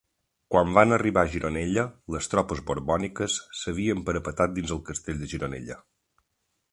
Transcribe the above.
Quan van arribar a Gironella, les tropes borbòniques s'havien parapetat dins del castell de Gironella.